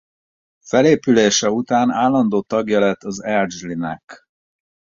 Felépülése után állandó tagja lett az Argyle-nek.